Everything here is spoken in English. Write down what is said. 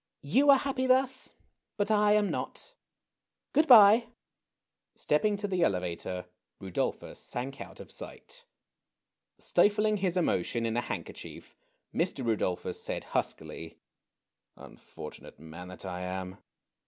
You are happy thus, but I am not. Good by !" StejDping to the elevator, Rudolplnis sank out of sight. Stifling his emotion in a handkerchief, Mr. Rudolphus said, huskily :" Unfortunate man that I am